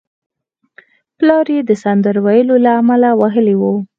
پلار یې د سندرو ویلو له امله وهلی و